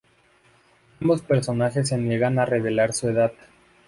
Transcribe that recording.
Ambos personajes se niegan a revelar su edad.